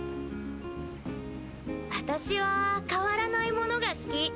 私は変わらないものが好き。